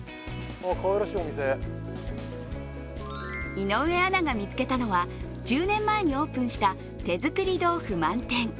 井上アナが見つけたのは１０年前にオープンした手づくり豆腐まんてん。